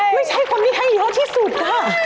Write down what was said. ไม่ใช่คนที่ให้เยอะที่สุดค่ะ